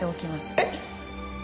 えっ！